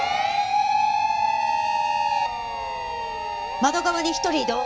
窓側に１人移動。